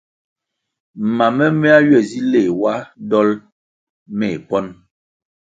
Mam momehya ywe si leh ywa dol meh ponʼ.